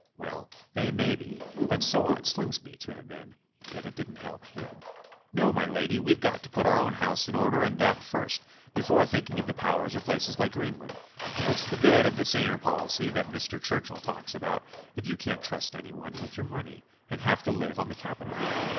Well, they may be but so ought Slingsby to have been, yet it didn't help him. No, my lady, we've got to put our own house in order and that first, before thinking of the powers or places like Greenland. What's the good of the saner policy that Mr. Churchill talks about, if you can't trust anyone with your money, and have to live on the capital?